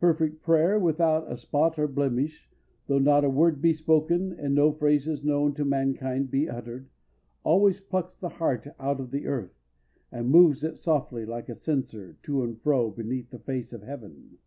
Perfect prayer, without a spot or blemish, though not a word be spoken and no phrases known to mankind be uttered, always plucks the heart out of the earth, and moves it softly, like a censer, to and fro beneath the face of heaven.